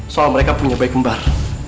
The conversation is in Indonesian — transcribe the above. soal mereka punya bayi kembar